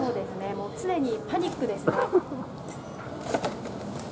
もう常にパニックですね。